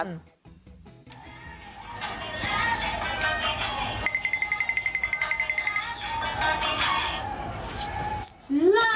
นะ